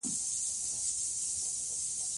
افغانستان کې د پکتیا د پرمختګ هڅې روانې دي.